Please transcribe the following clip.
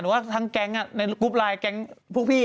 หนูว่าทั้งกรุ๊ปไลน์แกรงพวกพี่นั้น